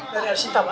dari arsita pak